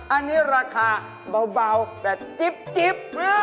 อันนี้ราคาเบาแบบจิ๊บ